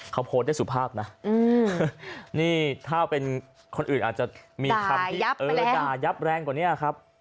เขาโพสต์ได้สุภาพนะนี่ถ้าเป็นคนอื่นอาจจะมีคำที่เออด่ายับแรงกว่านี้ครับ